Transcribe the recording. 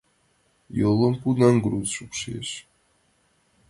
Йолым пудан груз шупшеш.